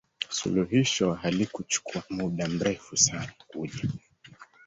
suluhisho halikuchukua muda mrefu sana kuja